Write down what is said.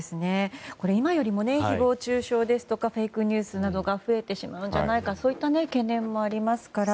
今よりも誹謗中傷ですとかフェイクニュースが増えてしまうんじゃないかそういった懸念もありますから。